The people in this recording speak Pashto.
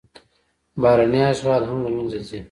بهرنی اشغال هم له منځه ځي.